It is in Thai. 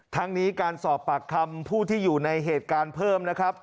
ทั้งนี้การสอบปากคำผู้ที่อยู่ในเหตุการณ์เพิ่มนะครับ